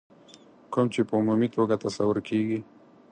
کوم چې په عمومي توګه تصور کېږي.